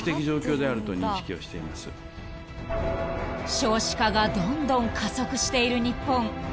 ［少子化がどんどん加速している日本］